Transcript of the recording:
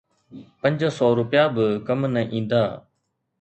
پنج سؤ رپيا به ڪم نه ايندا